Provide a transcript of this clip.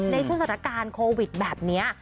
ในช่วงสถานการณ์โควิดแบบนี้